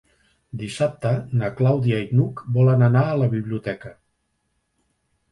Dissabte na Clàudia i n'Hug volen anar a la biblioteca.